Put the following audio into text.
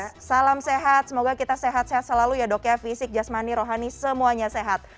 ya salam sehat semoga kita sehat sehat selalu ya dok ya fisik jasmani rohani semuanya sehat